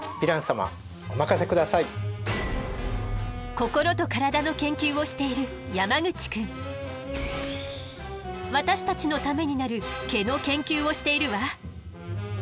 心と体の研究をしている私たちのためになる毛の研究をしているわ。